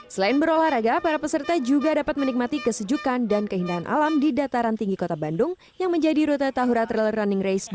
selain berolahraga para peserta juga dapat menikmati kesejukan dan keindahan alam di dataran tinggi kota bandung yang menjadi rute tahura trail running race dua ribu